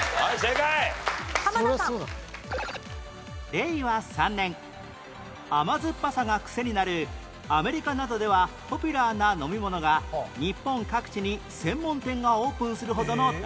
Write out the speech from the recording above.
令和３年甘酸っぱさがクセになるアメリカなどではポピュラーな飲み物が日本各地に専門店がオープンするほどの大人気に